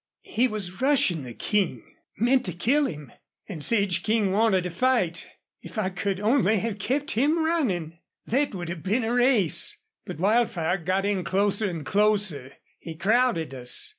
He was rushin' the King meant to kill him. An' Sage King wanted to fight. If I could only have kept him runnin'! Thet would have been a race! ... But Wildfire got in closer an' closer. He crowded us.